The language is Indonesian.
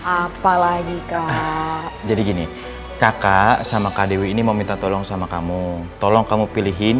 apalagi kak jadi gini kakak sama kak dewi ini mau minta tolong sama kamu tolong kamu pilihin